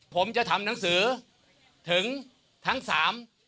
ผมจะทำหนังสือถึงทั้งสาม